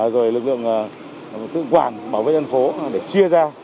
rồi lực lượng tự quản bảo vệ dân phố để chia ra